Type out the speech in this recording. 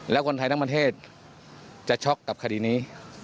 แล้วคนไทยทั้งประเทศจะช็อกกับคดีนี้